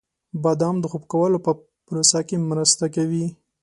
• بادام د خوب کولو په پروسه کې مرسته کوي.